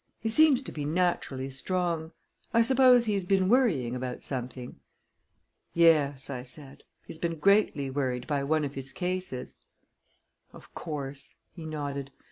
He seems to be naturally strong. I suppose he's been worrying about something?" "Yes," I said. "He has been greatly worried by one of his cases." "Of course," he nodded.